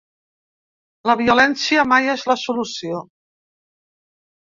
La violència mai és la solució.